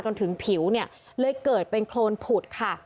จนถึงผิวเนี่ยเลยเกิดเป็นโครนผุดค่ะ